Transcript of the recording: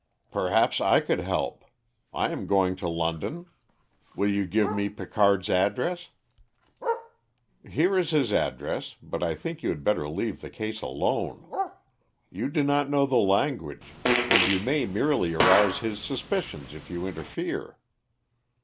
"Perhaps I could help. I am going to London. Will you give me Picard's address?" "Here is his address, but I think you had better leave the case alone. You do not know the language, and you may merely arouse his suspicions if you interfere.